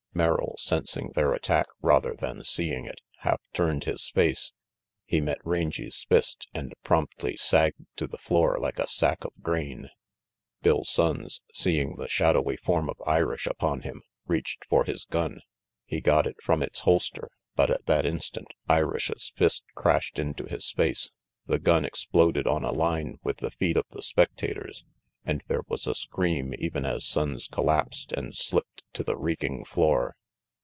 Merrill, sensing their attack rather than seeing it, half turned his face. He met Rangy 's fist and promptly sagged to the floor like a sack of grain. Bill Sonnes, seeing the shadowy form of Irish upon him, reached for his gun. He got it from its holster, but at that instant Irish's fist crashed into his face. The gun exploded on a line with the feet of the spectators, and there was a scream even as Sonnes collapsed and slipped to the reeking floor.